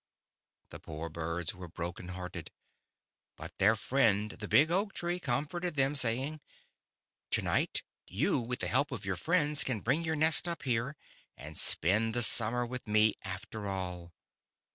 The poor birds were broken hearted. But their friend, the big Oak tree, comforted them, saying : "To night you, with the help of your friends, can bring your nest up here and spend the summer with me, after all."